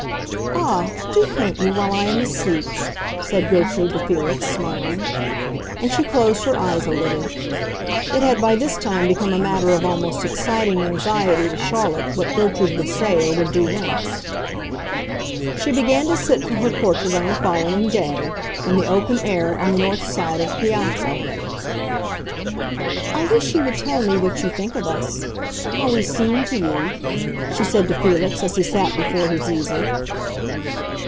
"Ah, do paint me while I am asleep," said Gertrude to Felix, smiling. And she closed her eyes a little. It had by this time become a matter of almost exciting anxiety to Charlotte what Gertrude would say or would do next. She began to sit for her portrait on the following day—in the open air, on the north side of the piazza. "I wish you would tell me what you think of us—how we seem to you," she said to Felix, as he sat before his easel.